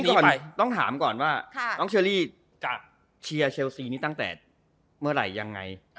ถามต้องก่อนว่าน้องเชอรีเชียร์เชลสีนี้ตั้งแต่เมื่อไหร่ยังไง